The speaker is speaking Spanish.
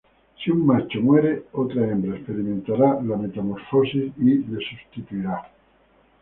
Si un macho muere, otra hembra experimentará la metamorfosis y le sustituirá.